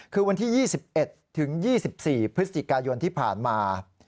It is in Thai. คือวันที่๒๑ถึง๒๔พฤศจิกายนที่ผ่านมา